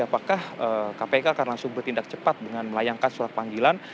apakah kpk akan langsung bertindak cepat dengan melayangkan surat panggilan